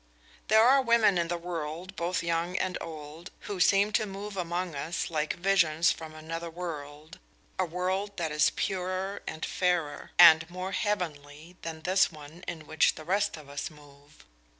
There are women in the world, both young and old, who seem to move among us like visions from another world, a world that is purer and fairer, and more heavenly than this one in which the rest of us move.